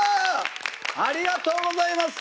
ありがとうございます。